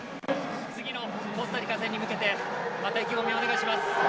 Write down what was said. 次のコスタリカ戦に向けてまた意気込みをお願いします。